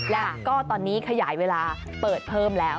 แล้วก็ตอนนี้ขยายเวลาเปิดเพิ่มแล้ว